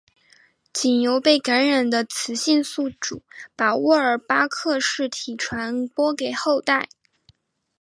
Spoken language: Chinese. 仅由被感染的雌性宿主把沃尔巴克氏体传播给后代。